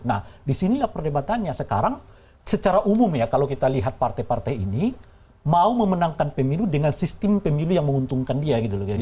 nah disinilah perdebatannya sekarang secara umum ya kalau kita lihat partai partai ini mau memenangkan pemilu dengan sistem pemilu yang menguntungkan dia gitu loh